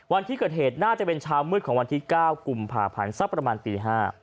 วันที่เกิดเหตุน่าจะเป็นเช้ามืดของวันที่๙กุมภาพันธ์สักประมาณตี๕